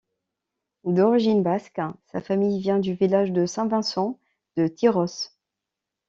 D'origine basque, sa famille vient du village de Saint-Vincent-de-Tyrosse.